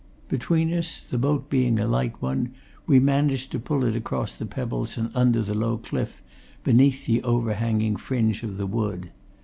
Between us, the boat being a light one, we managed to pull it across the pebbles and under the low cliff beneath the overhanging fringe of the wood.